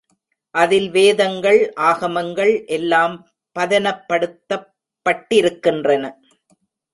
அதில் வேதங்கள், ஆகமங்கள் எல்லாம் பதனப்படுத்தப் பட்டிருக்கின்றன.